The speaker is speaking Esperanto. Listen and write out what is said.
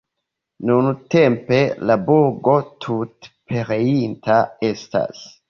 Nuntempe la burgo tute pereinta estas.